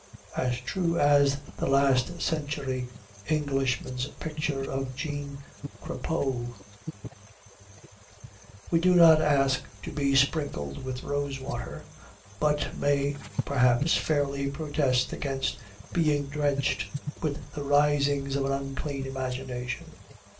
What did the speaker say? As true as the last century Englishman's picture of Jean Crapaud! We do not ask to be sprinkled with rosewater, but may perhaps fairly protest against being drenched with the rinsings of an unclean imagination.